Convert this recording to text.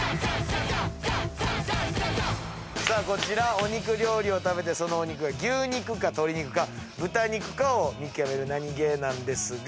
こちらお肉料理を食べてそのお肉が牛肉か鶏肉か豚肉かを見極めるナニゲーなんですが。